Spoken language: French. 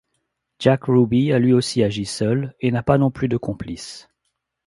Jack Ruby a lui aussi agi seul, et n'a pas non plus de complice.